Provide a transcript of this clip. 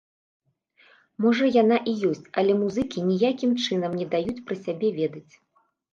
Можа яна і ёсць, але музыкі ніякім чынам не даюць пра сябе ведаць.